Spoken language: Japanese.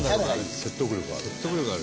説得力がある。